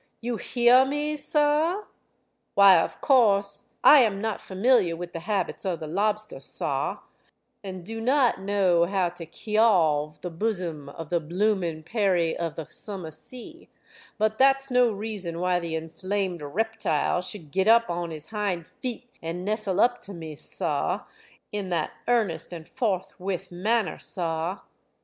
You heah me, sah? "Why, of course, I am not familiar with the habits of the lobster, sah, and do not know how to kearve the bosom of the bloomin' peri of the summer sea, but that's no reason why the inflamed reptile should get up on his hind feet and nestle up to me, sah, in that earnest and forthwith manner, sah.